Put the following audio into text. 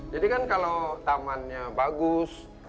jadi kan kalau tamannya bagus